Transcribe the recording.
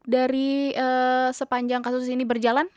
dari sepanjang kasus ini berjalan